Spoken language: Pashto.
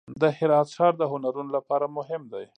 د هرات ښار د هنرونو لپاره مهم دی.